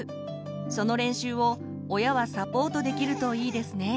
その練習を親はサポートできるといいですね。